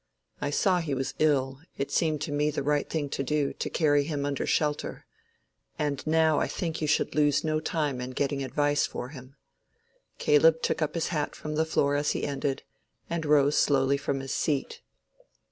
I saw he was ill: it seemed to me the right thing to do, to carry him under shelter. And now I think you should lose no time in getting advice for him." Caleb took up his hat from the floor as he ended, and rose slowly from his seat.